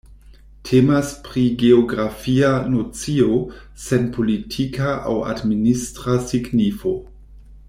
Temas pri geografia nocio sen politika aŭ administra signifo.